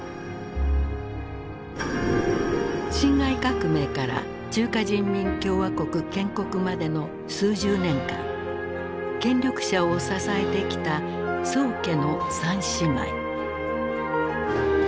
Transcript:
辛亥革命から中華人民共和国建国までの数十年間権力者を支えてきた宋家の三姉妹。